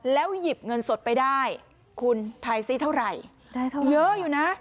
แล้วหยิบเงินสดไปได้คุณถ่ายซิเท่าไหร่เยอะอยู่นะ